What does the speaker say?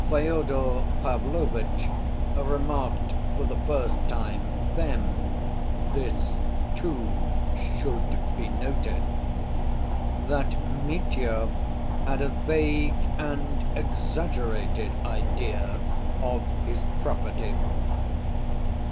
Fyodor Pavlovitch remarked for the first time then (this, too, should be noted) that Mitya had a vague and exaggerated idea of his property.